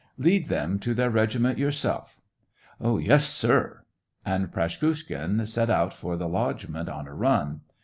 Lead them to their regiment yourself." "Yes, sir." And Praskukhin set out for the lodgement on a run.